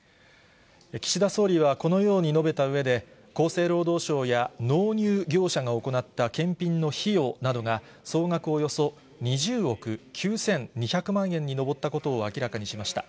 岸田総理はこのように述べたうえで、厚生労働省や納入業者が行った検品の費用などが、総額およそ２０億９２００万円に上ったことを明らかにしました。